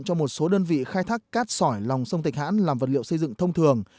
cho một số đơn vị khai thác cát sỏi lòng sông thạch hãn làm vật liệu xây dựng thông thường